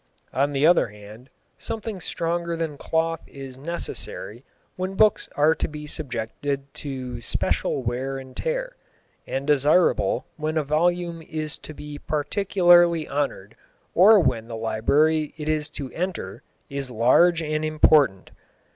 On the other hand, something stronger than cloth is necessary when books are to be subjected to special wear and tear, and desirable when a volume is to be particularly honoured or when the library it is to enter is large and important.